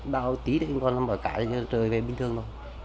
đau một tí thì còn bỏ cả cho trời về bình thường thôi